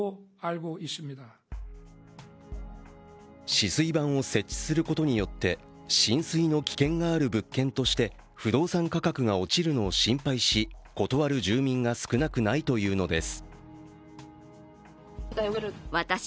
止水板を設置することによって浸水の危険がある物件として不動産価格が落ちるのを心配し、断る住民が少なくないというのです。